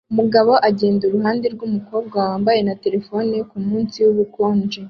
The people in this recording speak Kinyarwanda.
Umugabo agenda iruhande rwumukobwa wambaye na terefone kumunsi wubukonje